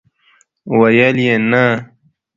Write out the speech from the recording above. ویل یې، نه!!!